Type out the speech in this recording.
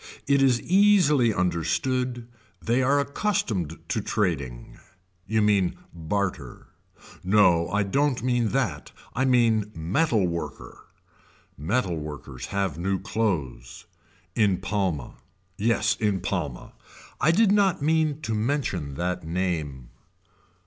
It is easily understood they are accustomed to trading. You mean barter. No I don't mean that I mean metal worker. Metal workers have new clothes. In Palma. Yes in Palma. I did not mean to mention that name.